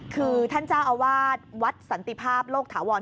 คือท่านเจ้าอาวาสวัดสันติภาพโลกถาวร